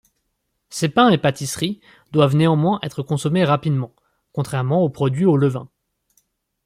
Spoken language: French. Ces pains et pâtisseries doivent néanmoins être consommés rapidement, contrairement aux produits au levain.